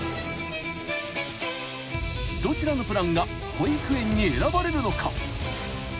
［どちらのプランが保育園に選ばれるのか？］